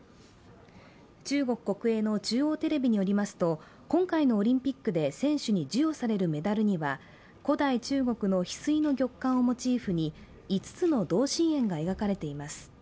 中国国営の中央テレビによりますと、今回のオリンピックで選手に授与されるメダルには古代中国のひすいの玉環をモチーフに５つの同心円が描かれています。